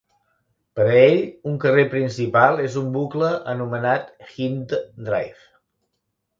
Per a ell, un carrer principal és un bucle anomenat Hind Drive.